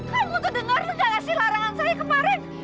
kamu tuh denger gak kasih larangan saya kemarin